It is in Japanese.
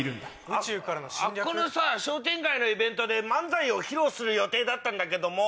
あっこのさ商店街のイベントで漫才を披露する予定だったんだけども。